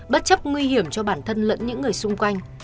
bất chấp nguy hiểm cho bản thân lẫn những người xung quanh